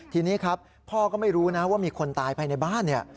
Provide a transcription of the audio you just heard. ทีนี้ครับพ่อก็ไม่รู้นะว่ามีคนตายภายในบ้านเนี่ย